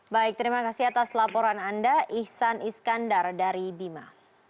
baik terima kasih atas laporan anda ihsan iskandar dari bima